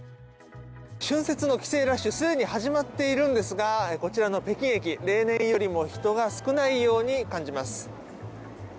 春節の帰省ラッシュすでに始まっているんですがこちらの北京駅、例年よりも人が少ないように感じます。